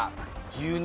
１・２。